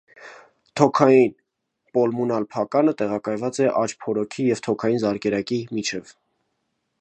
Թոքային (պուլմոնալ) փականը տեղակայված է աջ փորոքի և թոքային զարկերակի միջև։